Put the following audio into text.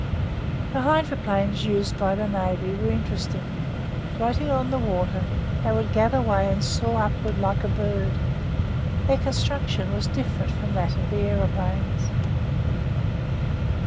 The hydroplanes used by the Navy were interesting. Floating on the water, they would gather way and soar upwards like a bird. Their construction was different from that of the aeroplanes.